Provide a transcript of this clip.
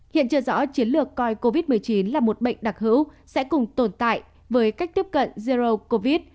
hiện chưa rõ chiến lược coi covid một mươi chín là một bệnh đặc hữu sẽ cùng tồn tại với cách tiếp cận zero covid